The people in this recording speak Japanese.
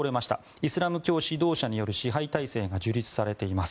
イスラム教指導者による支配体制が樹立されています。